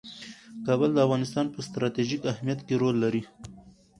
کابل د افغانستان په ستراتیژیک اهمیت کې رول لري.